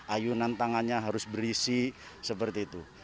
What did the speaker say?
ayunan tangannya harus berisi seperti itu